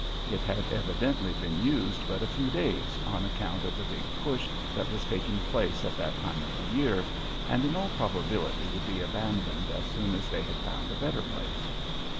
It had evidently been used but a few days, on account of the big push that was taking place at that time of the year, and in all probability would be abandoned as soon as they had found a better place.